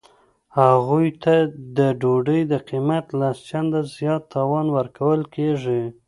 هغوی ته د ډوډۍ د قیمت لس چنده زیات تاوان ورکول کیږي